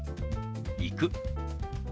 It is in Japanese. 「行く」。